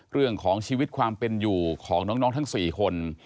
เรื่องของชีวิตความเป็นอยู่ของน้องทั้ง๔คน